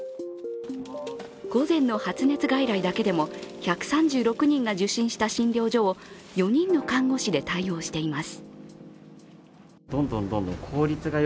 午前の発熱外来だけでも１３６人が受診した診療所を４人の看護師で対応しています。